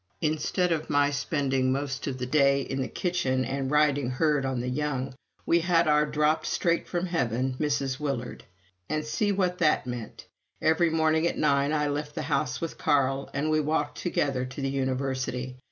Instead of my spending most of the day in the kitchen and riding herd on the young, we had our dropped straight from heaven Mrs. Willard. And see what that meant. Every morning at nine I left the house with Carl, and we walked together to the University.